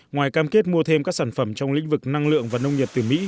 ngoài cam kết mua thêm các sản phẩm trong lĩnh vực năng lượng và nông nghiệp từ mỹ